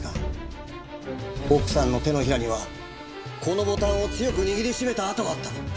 奥さんの手のひらにはこのボタンを強く握りしめた痕があった。